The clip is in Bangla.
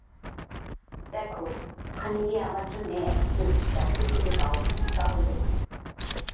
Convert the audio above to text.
দেখ, ওখানে গিয়ে আমার জন্যে একটা চাকরি খুঁজে পাও, তাহলে।